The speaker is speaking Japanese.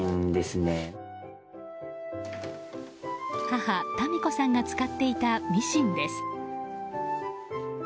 母・たみ子さんが使っていたミシンです。